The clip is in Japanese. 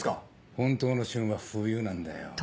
本当の旬は冬なんだよ。